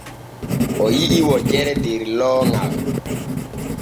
O yi’i wojere der looŋal.